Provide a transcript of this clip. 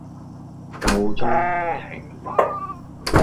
夠鐘，停筆